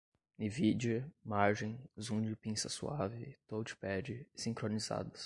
nvidia, margem, zoom de pinça suave, touchpad, sincronizadas